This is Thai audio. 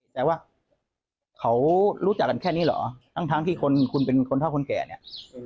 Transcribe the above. แต่ว่าเขารู้จักกันแค่นี้เหรอทั้งทั้งที่คนคุณเป็นคนเท่าคนแก่เนี่ย